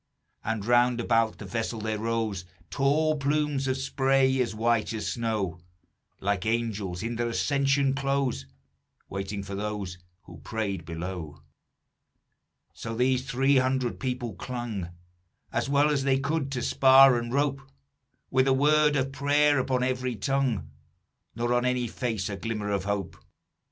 And round about the vessel there rose Tall plumes of spray as white as snow, Like angels in their ascension clothes, Waiting for those who prayed below. "So these three hundred people clung As well as they could, to spar and rope; With a word of prayer upon every tongue, Nor on any face a glimmer of hope.